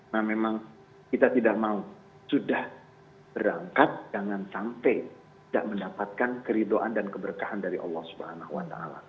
nah memang kita tidak mau sudah berangkat jangan sampai tidak mendapatkan keridoan dan keberkahan dari allah swt